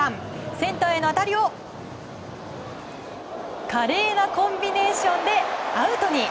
センターへの当たりを華麗なコンビネーションでアウトに。